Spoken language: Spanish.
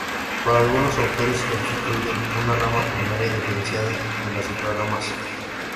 Para algunos autores constituyen una rama primaria diferenciada de las otras ramas.